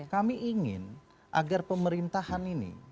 kami ingin agar pemerintahan ini